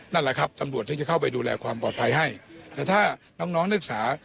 นั่นแหละครับตำรวจที่จะเข้าไปดูแลความปลอดภัยให้แต่ถ้าน้องน้องนักศึกษา